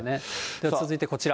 では続いてこちら。